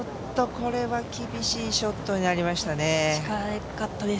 これは厳しいショットになりましたね。